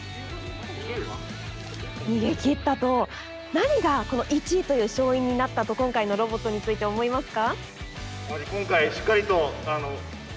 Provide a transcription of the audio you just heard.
何がこの１位という勝因になったと今回のロボットについて思いますか？